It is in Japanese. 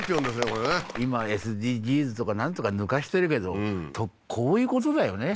これね今ＳＤＧｓとかなんとかぬかしてるけどこういうことだよね